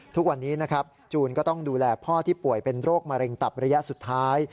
ทุกวันนี้นะครับจูนก็ต้องดูแลพ่อที่ป่วยเป็นโรคมะเร็งตับระยะสุดท้าย